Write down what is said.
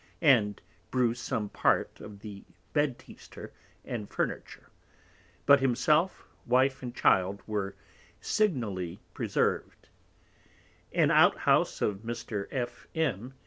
_ and bruised some part of the Bed teaster and Furniture; but himself, Wife and Child were signally preserved: An Out house of Mr. _F.M.